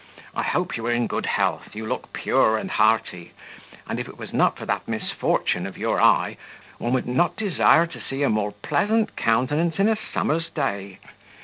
I hope you are in good health; you look pure and hearty; and if it was not for that misfortune of your eye, one would not desire to see a more pleasant countenance in a summer's day.